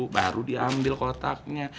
baru diambil kotaknya